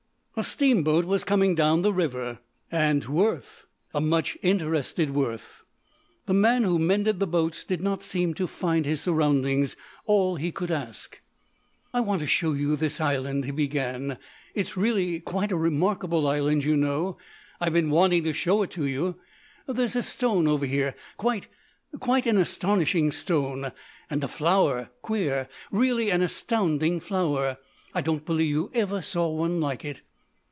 A steamboat was coming down the river. And Worth! a much interested Worth. The man who mended the boats did not seem to find his surroundings all he could ask. "I want to show you this island," he began. "It's really quite a remarkable island. You know, I've been wanting to show it to you. There's a stone over here quite quite an astonishing stone. And a flower. Queer. Really an astounding flower. I don't believe you ever saw one like it."